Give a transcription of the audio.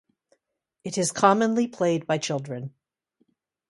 It is commonly played by children.